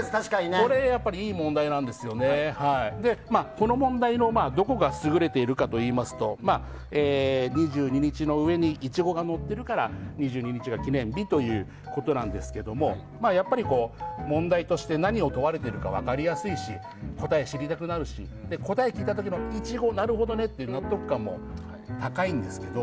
この問題のどこが優れているかといいますと２２日の上にイチゴがのってるから２２日が記念日ということなんですけどやっぱり問題として何を問われているか分かりやすいし答えが知りたくなるし答えを聞いた時のイチゴ、なるほどねっていう納得感も高いんですけど。